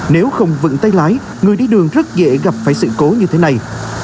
nếu không vững tay lái người đi đường rất dễ gặp phải sự cố như thế này